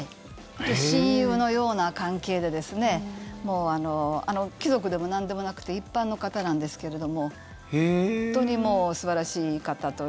親友のような関係で貴族でもなんでもなくて一般の方なんですけど本当に素晴らしい方と。